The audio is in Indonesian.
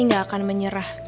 kay tidak akan menyerah